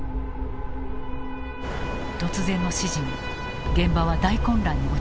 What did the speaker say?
突然の指示に現場は大混乱に陥った。